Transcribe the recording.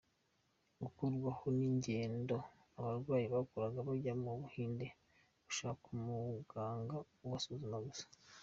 Gukurwaho kw’ingendo abarwayi bakoraga bajya mu buhinde gushaka umuganga ubasuzuma gusa.